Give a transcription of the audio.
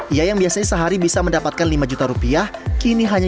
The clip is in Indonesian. ia yang biasanya sehari bisa menjualnya